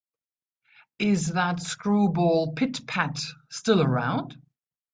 Is that screwball Pit-Pat still around?